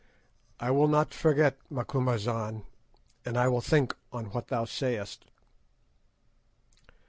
"I will not forget, Macumazahn, and I will think on what thou sayest."